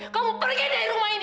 kamu pergi dari rumah ini